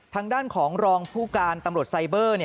ทางด้านของรองผู้การตำรวจไซเบอร์